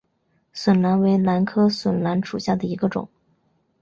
笋兰为兰科笋兰属下的一个种。